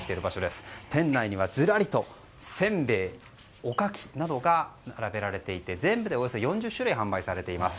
店内にはずらりと、せんべいおかきなどが並べられていて全部でおよそ４０種類販売されています。